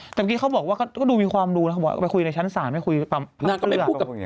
แต่บางทีเขาบอกว่าก็ดูมีความรู้นะเขาบอกว่าไปคุยในชั้นศาลไม่คุยพักเผื่อ